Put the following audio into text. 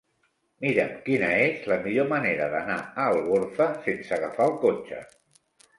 Mira'm quina és la millor manera d'anar a Algorfa sense agafar el cotxe.